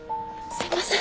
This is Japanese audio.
すいません。